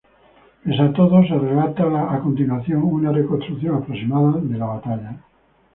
Pese a todo, se relata a continuación una reconstrucción aproximada de la batalla.